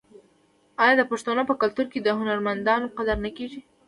آیا د پښتنو په کلتور کې د هنرمندانو قدر نه کیږي؟